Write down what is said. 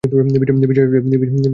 বিজয় আসবে, ওকে?